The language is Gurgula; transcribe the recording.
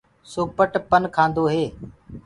سوپٽ پن کآندو هي۔